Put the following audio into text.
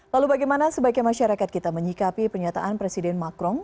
lalu bagaimana sebagai masyarakat kita menyikapi pernyataan presiden macron